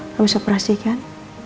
kamu sudah berhasil kan